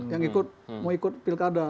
yang mau ikut pilkada